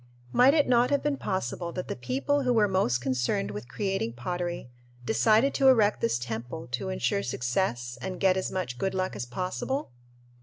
Might it not have been possible that the people who were most concerned with creating pottery decided to erect this temple to insure success and get as much good luck as possible?